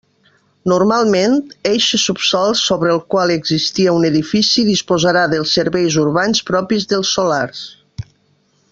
Normalment eixe subsòl sobre el qual existia un edifici disposarà dels serveis urbans propis dels solars.